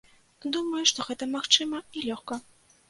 Думаю, што гэта магчыма і лёгка.